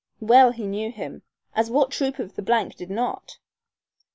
Well he knew him, as what trooper of the th did not?